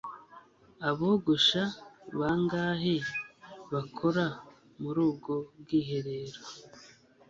Abogosha bangahe bakora muri ubwo bwiherero?